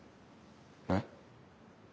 えっ？